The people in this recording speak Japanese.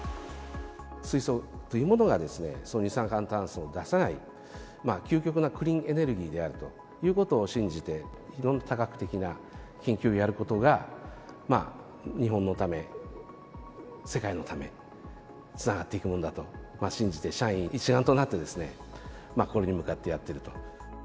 水素というものが、二酸化炭素を出さない、究極なクリーンエネルギーであるということを信じて、非常に多角的な研究をやることが、日本のため、世界のため、つながっていくものだと信じて、社員一丸となってですね、これに向かってやってると。